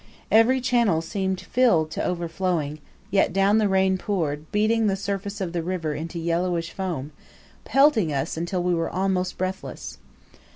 Every channel seemed filled to overflowing, yet down the rain poured, beating the surface of the river into yellowish foam, pelting us until we were almost breathless.